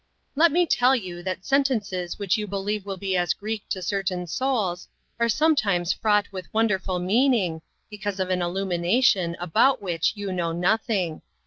LET me tell you that sentences which you believe will be as Greek to cer tain souls, are sometimes fraught with won derful meaning, because of an illumination about which you know nothing.